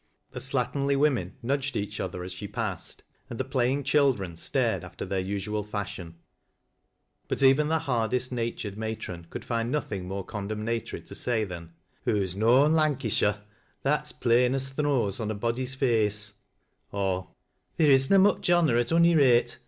The slatternly women nudged each other as she passed, and the playing children stared af tei their usual fashion ; but even the hardest natured mation fflould find nothing more condemnatory to say than, " Uoo's noan Lancashire, that's plain as th' nose on a body's face ;" or, " Theer is na much on her, at ony rate.